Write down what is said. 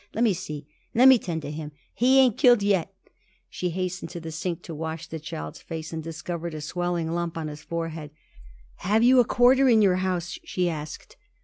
Let me see. Let me tend to him. He ain't killed yet." She hastened to the sink to wash the child's face, and discovered a swelling lump on his forehead. "Have you a quarter in your house?" she asked.